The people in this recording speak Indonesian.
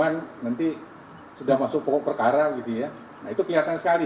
nah itu kelihatan sekali